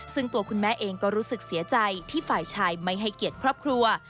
ซึ่งตัวคุณแม่เองก็รู้สึกเสียใจที่ฝ่ายชายไม่ให้เกียรติครอบครัว